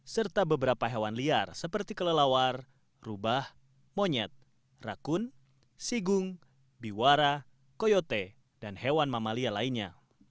serta beberapa hewan liar seperti kelelawar rubah monyet rakun sigung biwara koyote dan hewan mamalia lainnya